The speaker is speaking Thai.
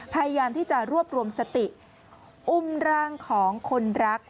พยายามที่จะรวบรวมสติอุ้มร่างของคนรัก